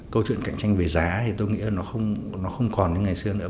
câu chuyện cạnh tranh về giá thì tôi nghĩ là nó không còn như ngày xưa nữa